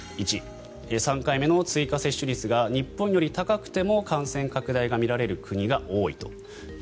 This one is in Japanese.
１、３回目の追加接種率が日本より高くても感染拡大が見られる国が多いと。